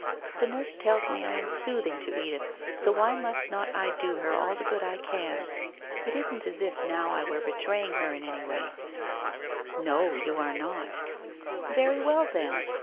The nurse tells me I am sooth ing to Edith, so why must not I do her all the good I can ? It isn't as if now I were betraying her in any way.' * No, you are not/ ' Very well then